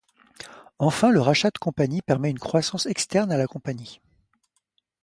Enfin, le rachat de compagnie permet une croissance externe à la compagnie.